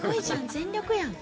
全力やん。